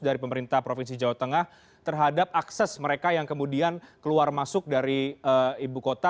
dari pemerintah provinsi jawa tengah terhadap akses mereka yang kemudian keluar masuk dari ibu kota